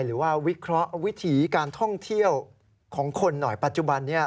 วิเคราะห์วิถีการท่องเที่ยวของคนหน่อยปัจจุบันนี้